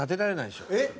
えっ？